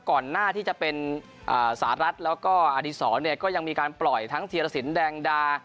ก่อนหน้าที่จะเป็นสหรัฐแล้วก็อดีศรเนี่ยก็ยังมีการปล่อยทั้งธีรสินแดงดา